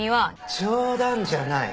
冗談じゃない。